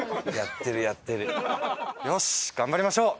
よし頑張りましょう！